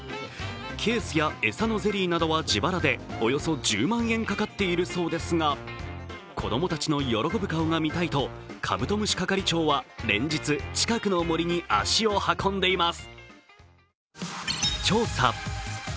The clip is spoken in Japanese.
ケースや餌のゼリーなどは自腹でおよそ１０万円かかっているそうですが、子供たちの喜ぶ顔が見たいとカブトムシ係長は連日近くの森に足を運んでいます。